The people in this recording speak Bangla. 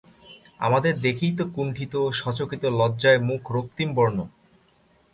আমাদের দেখেই তো কুন্ঠিত, সচকিত, লজ্জায় মুখ রক্তিমবর্ণ।